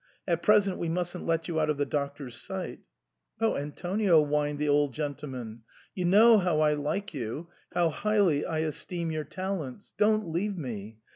At present we mustn't let you out of the doc tor's sight" "Oh! Antonio," whined the old gentleman, "you know how I like you, how highly I esteem your talents. Don't leave me.